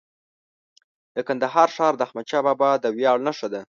د کندهار ښار د احمدشاه بابا د ویاړ نښه ده.